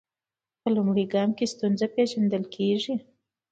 په لومړي ګام کې ستونزه پیژندل کیږي.